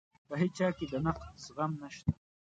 په هیچا کې د نقد زغم نشته.